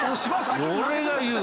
俺が言う！